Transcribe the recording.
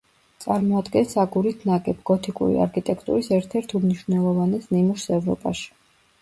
წარმოადგენს აგურით ნაგებ, გოთიკური არქიტექტურის ერთ-ერთ უმნიშვნელოვანეს ნიმუშს ევროპაში.